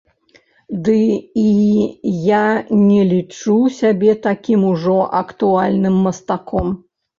Ды і я не лічу сябе такім ужо актуальным мастаком.